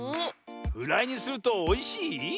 フライにするとおいしい？